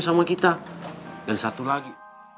sama kita dan satu lagi